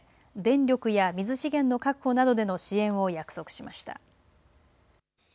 電力や水資源の確保などでの支援を約束しました。